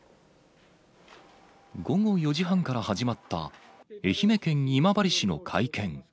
午後４時半から始まった、愛媛県今治市の会見。